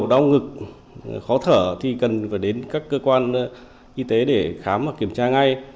đau ngực khó thở thì cần phải đến các cơ quan y tế để khám và kiểm tra ngay